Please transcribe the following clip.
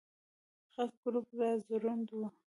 غټ ګروپ راځوړند و.